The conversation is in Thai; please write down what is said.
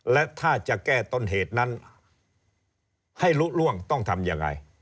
และถ้าจะแก้ต้นเหตุนั้นให้ลุล่วงต้องทำยังไง